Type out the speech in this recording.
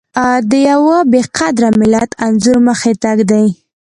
د يوه بې قدره ملت انځور مخې ته ږدي.